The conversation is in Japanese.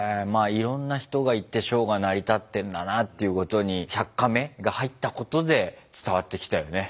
いろんな人がいてショーが成り立ってんだなっていうことに１００カメが入ったことで伝わってきたよね。